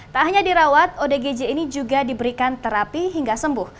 tak hanya dirawat odgj ini juga diberikan terapi hingga sembuh